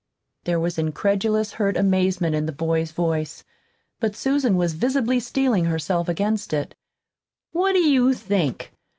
There was incredulous, hurt amazement in the boy's voice; but Susan was visibly steeling herself against it. "What do you think?